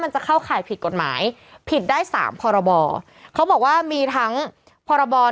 ชมก็หายไปแล้วเหมือนกัน